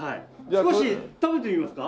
少し食べてみますか？